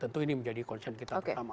tentu ini menjadi concern kita pertama